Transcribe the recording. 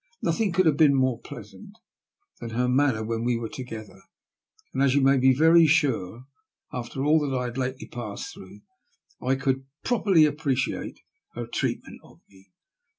Nothing could have been more pleasant than her manner when we were together ; and you may be very sure, after all that I had lately passed through, I could properly appreciate her treatment of me.